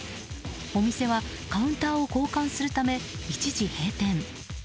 お店はカウンターを交換するため一時閉店。